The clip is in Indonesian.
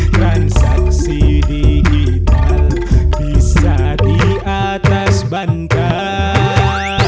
transaksi digital bisa di atas bantal